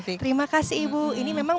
oke terima kasih ibu ini memang